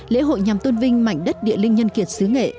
lễ hội nhằm tôn vinh mảnh đất địa linh nhân kiệt xứ nghệ